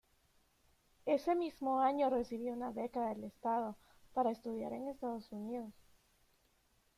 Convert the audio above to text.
Ese mismo año recibió una beca del Estado para estudiar en Estados Unidos.